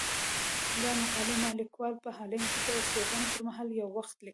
دا مقالې ما ليکوال په هالنډ کې د استوګنې پر مهال يو وخت ليکلي.